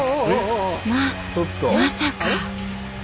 ままさか。